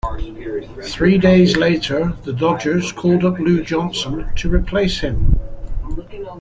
Three days later the Dodgers called up Lou Johnson to replace him.